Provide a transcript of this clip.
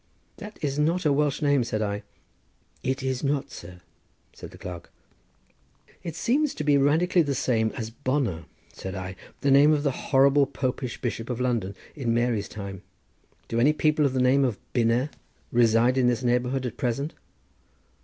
"That is not a Welsh name," said I. "It is not, sir," said the clerk. "It seems to be radically the same as Bonner," said I, "the name of the horrible Popish Bishop of London in Mary's time. Do any people of the name of Bynner reside in the neighbourhood at present?"